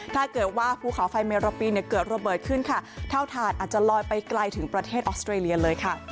ถ้าเกิดว่าภูเขาไฟเมราปีนเกิดระเบิดขึ้นค่ะเท่าถ่านอาจจะลอยไปไกลถึงประเทศออสเตรเลียเลยค่ะ